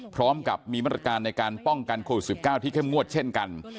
พร้อมกับมีมาตรการในการป้องกันโควิด๑๙ที่เข้มงวดเช่นกัน